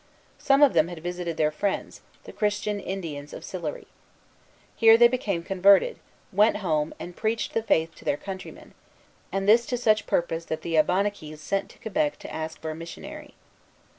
Some of them had visited their friends, the Christian Indians of Sillery. Here they became converted, went home, and preached the Faith to their countrymen, and this to such purpose that the Abenaquis sent to Quebec to ask for a missionary.